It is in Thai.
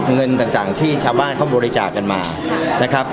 เงินต่างที่ชาวบ้านเขาบริจาคกันมานะครับ